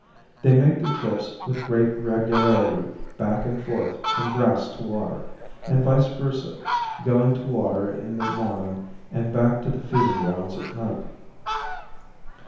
They make their trips with great regularity back and forth from grass to water, and vice versa, going to water in the morning and back to the feeding grounds at night.